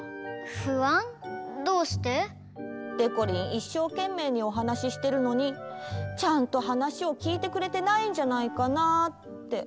いっしょうけんめいにお話ししてるのにちゃんと話を聞いてくれてないんじゃないかなって。